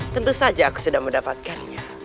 tentu saja aku sudah mendapatkannya